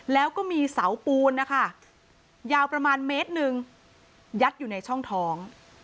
แล้วก็มีเสาปูนนะคะยาวประมาณเมตรหนึ่งยัดอยู่ในช่องท้อง